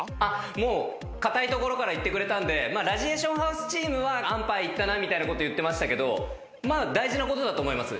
もうかたいところからいってくれたんでラジエーションハウスチームは安パイいったなみたいなこと言ってましたけど大事なことだと思います。